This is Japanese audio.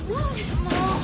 もう。